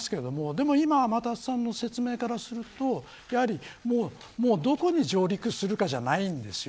でも今、天達さんの説明からするとどこに上陸するかじゃないんですよ。